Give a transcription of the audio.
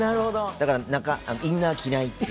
だから、インナー着ないって。